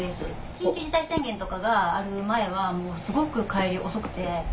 緊急事態宣言とかがある前はもうすごく帰り遅くて。